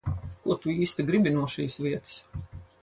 Ko tu īsti gribi no šīs vietas?